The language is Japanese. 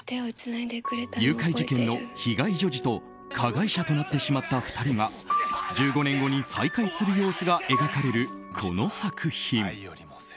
誘拐事件の被害女児と加害者となってしまった２人が１５年後に再会する様子が描かれるこの作品。